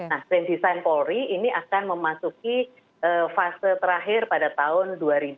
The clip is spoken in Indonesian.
nah grand design polri ini akan memasuki fase terakhir pada tahun dua ribu dua puluh